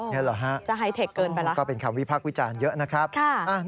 นี่หรือฮะก็เป็นคำวิพักวิจารณ์เยอะนะครับจะไฮเทคเกินไปแล้ว